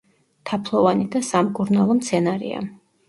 თაფლოვანი და სამკურნალო მცენარეა.